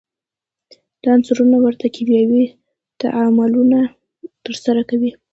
دا عنصرونه ورته کیمیاوي تعاملونه ترسره کوي.